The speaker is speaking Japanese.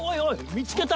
見つけた！